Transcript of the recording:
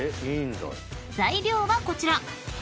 ［材料はこちら］